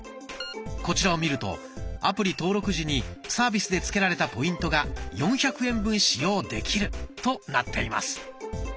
こちらを見るとアプリ登録時にサービスで付けられたポイントが４００円分使用できるとなっています。